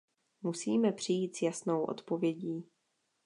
Musíme přijít s jasnou odpovědí.